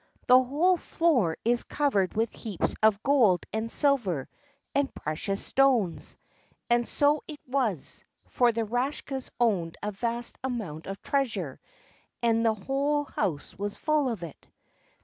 The whole floor is covered with heaps of gold and silver and precious stones." And so it was, for the Rakshas owned a vast amount of treasure, and the whole house was full of it.